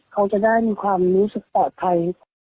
เขาจะได้มีความรู้สึกปลอดภัย